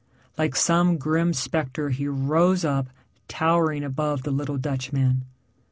Like some grim spectre he rose up, towering above the little Dutchman.